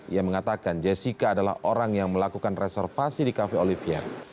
ia mengatakan jessica adalah orang yang melakukan reservasi di cafe olivier